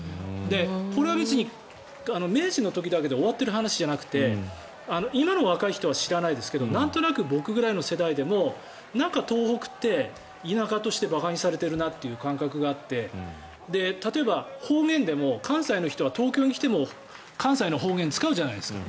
これは別に明治の時だけで終わっている話じゃなくて今の若い人は知らないですけどなんとなく僕ぐらいの世代でもなんか東北って田舎として馬鹿にされてるなという感覚があって例えば、方言でも関西の人は東京に来ても関西の方言を使うじゃないですか。